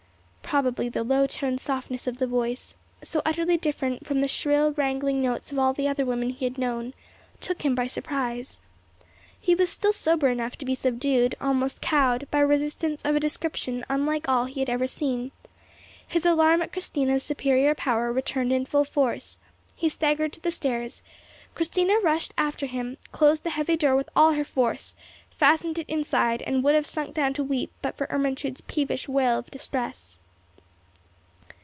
Probably the low toned softness of the voice, so utterly different from the shrill wrangling notes of all the other women he had known, took him by surprise. He was still sober enough to be subdued, almost cowed, by resistance of a description unlike all he had ever seen; his alarm at Christina's superior power returned in full force, he staggered to the stairs, Christina rushed after him, closed the heavy door with all her force, fastened it inside, and would have sunk down to weep but for Ermentrude's peevish wail of distress.